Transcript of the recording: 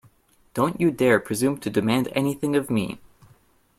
Don't you dare presume to demand anything of me!